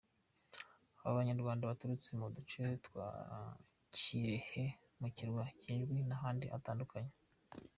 Aba Banyarwanda baturutse mu duce twa Karehe, ku kirwa cya Idjwi n’ahandi hatandukanye.